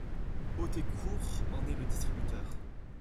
Haut et Court en est le distributeur.